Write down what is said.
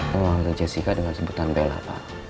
menanggil jessica dengan sebutan bella pak